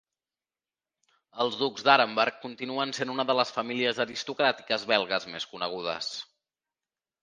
Els ducs d'Arenberg continuen sent una de les famílies aristocràtiques belgues més conegudes.